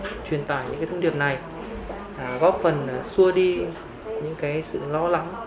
để truyền tải những thông điệp này góp phần xua đi những sự lo lắng